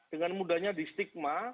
dengan mudahnya distigma